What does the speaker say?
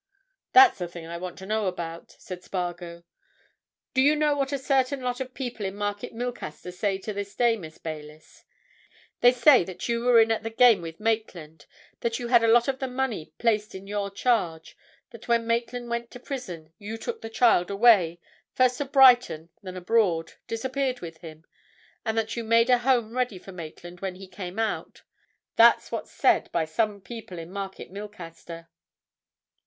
"That's a thing I want to know about," said Spargo. "Do you know what a certain lot of people in Market Milcaster say to this day, Miss Baylis?—they say that you were in at the game with Maitland; that you had a lot of the money placed in your charge; that when Maitland went to prison, you took the child away, first to Brighton, then abroad—disappeared with him—and that you made a home ready for Maitland when he came out. That's what's said by some people in Market Milcaster."